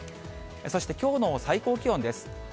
そしてきょうの最高気温です。